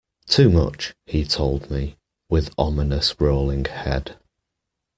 Too much, he told me, with ominous rolling head.